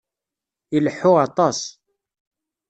Ileḥḥu aṭas.